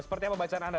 seperti apa bacaan anda